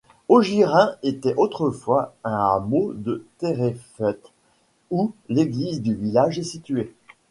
Augirein était autrefois un hameau de Terrefète, où l'église du village est située.